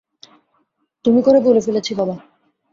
তুমি করে বলে ফেলেছি বাবা।